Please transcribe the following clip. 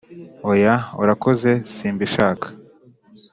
oya, urakoze simbishaka.